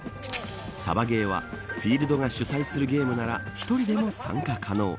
サバゲーはフィールドが主催するゲームなら１人でも参加可能。